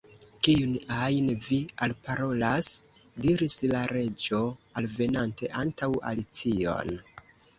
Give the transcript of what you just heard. "Kiun ajn vi alparolas?" diris la Reĝo, alvenante antaŭ Alicion.